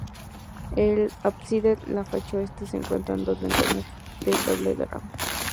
En el ábside y la fachada oeste se encuentran dos ventanas de doble derrame.